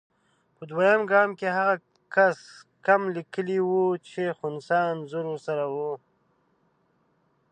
په دویم ګام کې هغه کس کم لیکلي وو چې خنثی انځور ورسره وو.